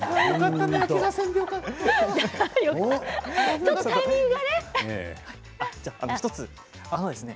ちょっとタイミングがね。